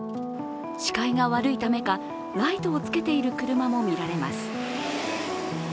視界が悪いためか、ライトをつけている車もみられます。